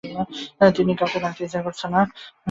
তিন্নির কাউকে ডাকতে ইচ্ছা করছে না।